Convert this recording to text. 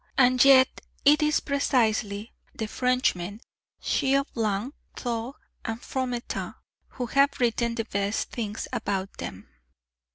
And yet it is precisely the Frenchmen, Ch. Blanc, Thoré and Fromentin, who have written the best things about them.